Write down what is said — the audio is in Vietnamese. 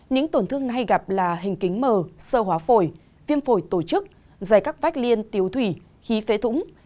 những tổn thương hay gặp là hình kính mờ sơ hóa phổi viêm phổi tổ chức dày các vách liênu thủy khí phế thủng